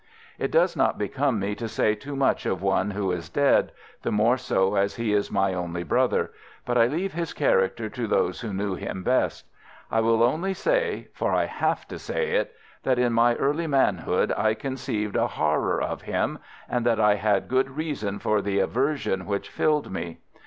"It does not become me to say too much of one who is dead, the more so as he is my only brother, but I leave his character to those who knew him best. I will only say—for I have to say it—that in my early manhood I conceived a horror of him, and that I had good reason for the aversion which filled me.